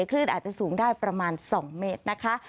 คลื่นอาจจะสูงได้ประมาณ๒เมตรนะคะ